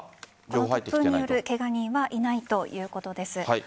突風によるケガ人はいないということです。